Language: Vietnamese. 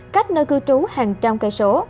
cách nơi cư trú hàng trăm cây số